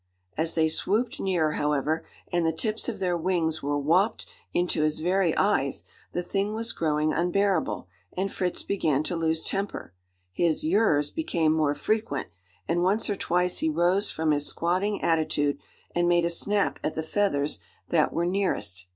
As they swooped nearer, however, and the tips of their wings were "wopped" into his very eyes, the thing was growing unbearable; and Fritz began to lose temper. His "yirs" became more frequent; and once or twice he rose from his squatting attitude, and made a snap at the feathers that were nearest.